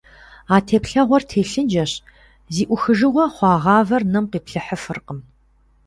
А теплъэгъуэр телъыджэщ - зи Ӏухыжыгъуэ хъуа гъавэр нэм къиплъыхьыфыркъым.